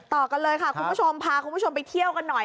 ต่อกันเลยค่ะคุณผู้ชมพาคุณผู้ชมไปเที่ยวกันหน่อย